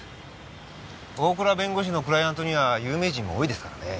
大倉弁護士のクライアントには有名人も多いですからね。